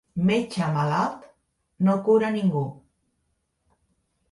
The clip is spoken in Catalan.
Metge malalt no cura ningú.